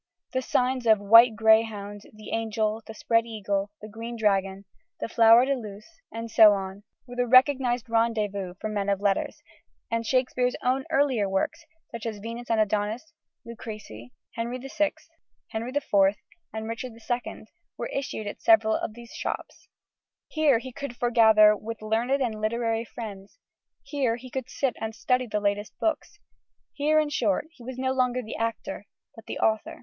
The Signs of the White Greyhound, the Angel, the Spread Eagle, the Green Dragon, the Flower de Luce, and so on, were the recognised rendezvous for men of letters, and Shakespeare's own earlier works, such as Venus and Adonis, Lucrece, Henry IV, and Richard II, were issued at several of these shops. Here he could foregather with learned and literary friends; here he could sit and study the latest books; here, in short, he was no longer the actor, but the author.